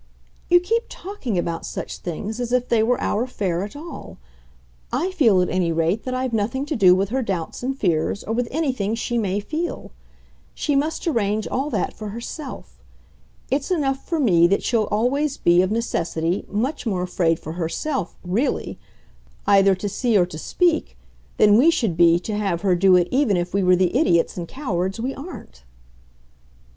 "You keep talking about such things as if they were our affair at all. I feel, at any rate, that I've nothing to do with her doubts and fears, or with anything she may feel. She must arrange all that for herself. It's enough for me that she'll always be, of necessity, much more afraid for herself, REALLY, either to see or to speak, than we should be to have her do it even if we were the idiots and cowards we aren't."